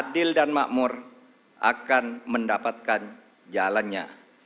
adil dan makmur akan mendapatkan jalannya